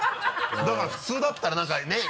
だから普通だったら何かねぇ。